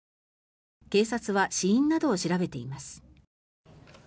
警察は死因などを調べています。